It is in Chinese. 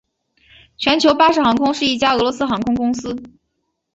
全球巴士航空是一家俄罗斯航空公司。